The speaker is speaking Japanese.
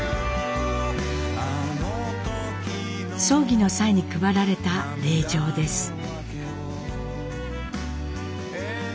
葬儀の際に配られた礼状です。